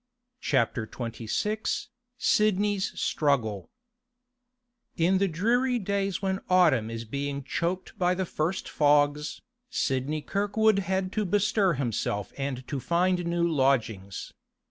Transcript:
CHAPTER XXVI SIDNEY'S STRUGGLE In the dreary days when autumn is being choked by the first fogs, Sidney Kirkwood had to bestir himself and to find new lodgings.